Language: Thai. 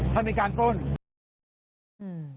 ถ้ามีการปล้น